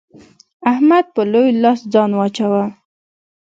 احمد په لوی لاس ځان واچاوو.